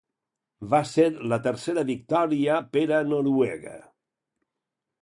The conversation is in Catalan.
Va ser la tercera victòria per a Noruega.